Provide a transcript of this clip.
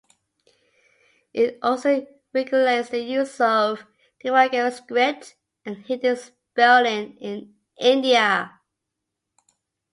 It also regulates the use of Devanagari script and Hindi spelling in India.